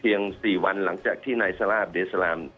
เพียง๔วันหลังจากที่ในสระอัพเดชน์สลาม